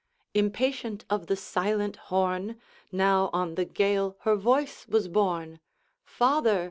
Impatient of the silent horn, Now on the gale her voice was borne: 'Father!'